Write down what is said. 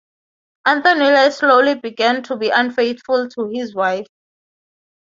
Anthony Ler slowly began to be unfaithful to his wife.